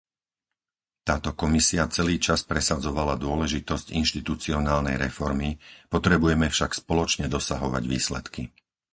Táto Komisia celý čas presadzovala dôležitosť inštitucionálnej reformy, potrebujeme však spoločne dosahovať výsledky.